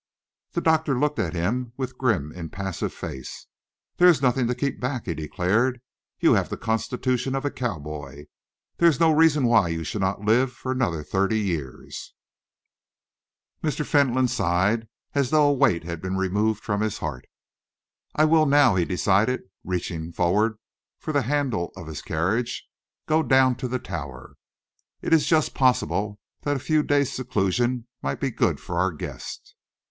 The doctor looked at him with grim, impassive face. "There is nothing to keep back," he declared. "You have the constitution of a cowboy. There is no reason why you should not live for another thirty years." Mr. Fentolin sighed, as though a weight had been removed from his heart. "I will now," he decided, reaching forward for the handle of his carriage, "go down to the Tower. It is just possible that a few days' seclusion might be good for our guest."